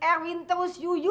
iya yang bersih ya